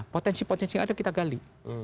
potensi potensi yang ada kita gali